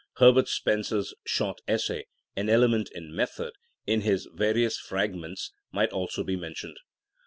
Herbert Spencer's short essay, An Element in Method, in his Various Frag ments might also be mentioned.